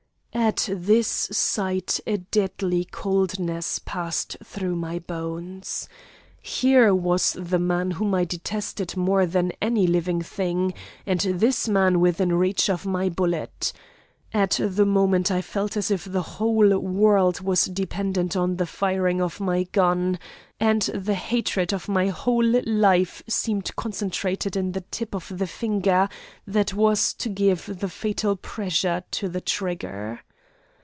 At this sight a deadly coldness passed through my bones. Here was the man whom I detested more than any living thing, and this man within reach of my bullet. At the moment I felt as if the whole world depended on the firing of my gun, and the hatred of my whole life seemed concentrated in the tip of the finger that was to give the fatal pressure to the trigger.